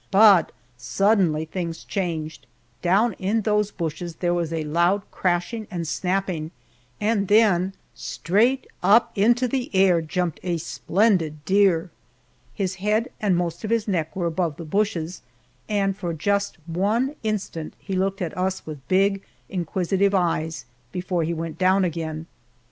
But suddenly things changed. Down in those bushes there was a loud crashing and snapping, and then straight up into the air jumped a splendid deer! His head and most of his neck were above the bushes, and for just one instant he looked at us with big inquisitive eyes before he went down again.